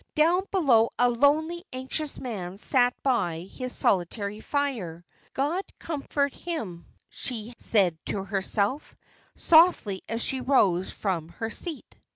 Down below a lonely, anxious man sat by his solitary fire. "God comfort him," she said to herself, softly, as she rose from her seat.